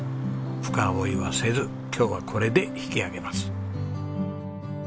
深追いはせず今日はこれで引き揚げます。